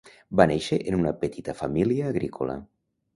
Va néixer en una petita família agrícola.